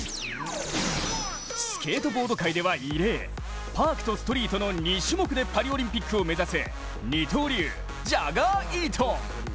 スケートボード界では異例パークとストリートの２種目でパリオリンピックを目指す二刀流ジャガー・イートン。